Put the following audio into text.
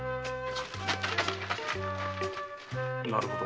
なるほど。